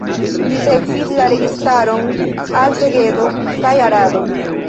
Li sekvis la registaron al Segedo kaj Arado.